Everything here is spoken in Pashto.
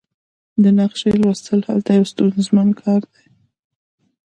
د نقشې لوستل هلته یو ستونزمن کار دی